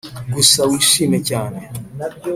gusa wishime cyane